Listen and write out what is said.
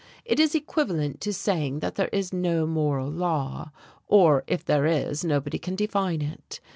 It is equivalent to saying that there is no moral law; or, if there is, nobody can define it.